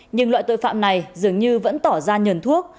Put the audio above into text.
nhưng loại tội phạm này dường như vẫn tỏ ra nhờn thuốc